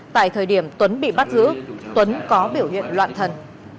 tại thời điểm tuấn bị bắt giữ tuấn có biểu hiện loạn thần